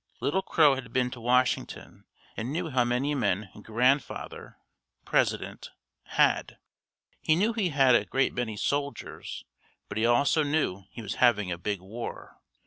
Little Crow had been to Washington and knew how many men 'Grandfather' (president) had." He knew he had a great many soldiers but he also knew he was having a big war.